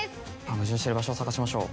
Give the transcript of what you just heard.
矛盾してる場所を探しましょう。